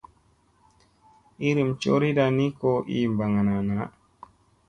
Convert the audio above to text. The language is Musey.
Iirim coriɗa ni ko ii ɓagana na.